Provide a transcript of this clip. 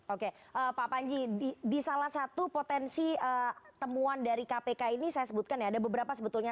oke pak panji di salah satu potensi temuan dari kpk ini saya sebutkan ya ada beberapa sebetulnya